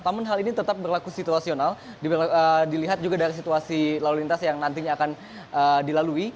namun hal ini tetap berlaku situasional dilihat juga dari situasi lalu lintas yang nantinya akan dilalui